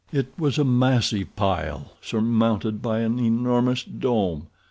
It was a massive pile, surmounted by an enormous dome.